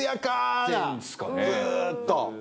ずーっと。